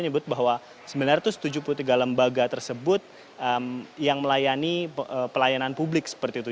menyebut bahwa sembilan ratus tujuh puluh tiga lembaga tersebut yang melayani pelayanan publik seperti itu